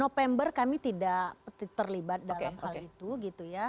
november kami tidak terlibat dalam hal itu